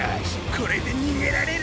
これでにげられる！